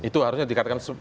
itu harusnya dikatakan